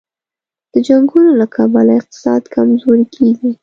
د جنګونو له کبله اقتصاد کمزوری کېږي.